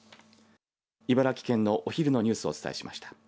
茨城県のお昼のニュースをお伝えしました。